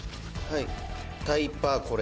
「タイパこれ。